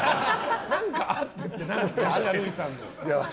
何かあってって何ですか。